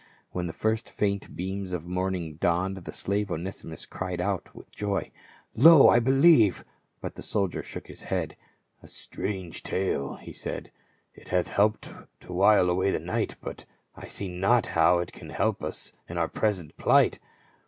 When the first faint beams of morning dawned, the slave Onesimus cried out with joy, " Lo, I believe !" But the soldier shook his head. "A strange tale," he said ;" it hath helped to while away the night ; but I see not how it can help us in our present plight."